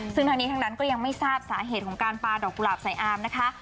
ซึ่งทั้งนี้ทั้งนั้นก็ยังไม่ทราบสาเหตุของการปลาดอกกุหลาบใส่อามนะคะ